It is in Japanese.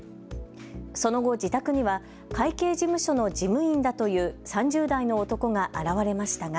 その後、自宅には会計事務所の事務員だという３０代の男が現れましたが。